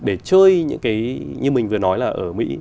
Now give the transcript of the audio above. để chơi những cái như mình vừa nói là ở mỹ